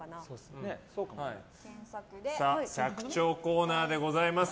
尺調コーナーでございます。